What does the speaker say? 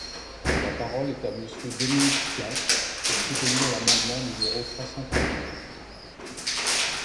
La parole est à Monsieur Dominique Tian, pour soutenir l’amendement numéro trois cent trente-huit.